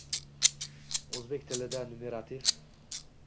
Oʻzbek tilida numerativ